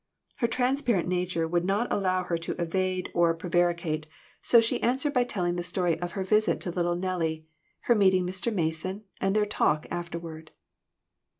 Her transparent nature would not allow her to evade or prevari 338 FANATICISM. cate, so she answered by telling the story of her visit to little Nellie, her meeting Mr. Mason, and their talk afterward.